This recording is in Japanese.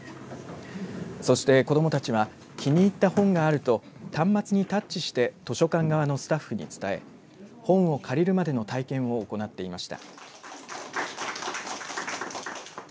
そして子どもたちは気に入った本があると端末にタッチして図書館側のスタッフに伝え本を借りるまでの体験を行っていました。